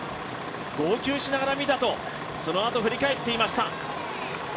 号泣しながら見たとそのあと、振り返っていました。